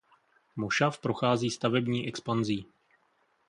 Mošav prochází stavební expanzí.